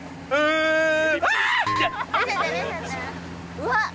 うわっ！